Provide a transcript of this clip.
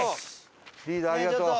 リーダーありがとう！